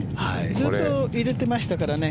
ずっと入れてましたからね。